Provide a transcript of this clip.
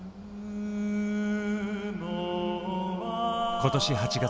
今年８月。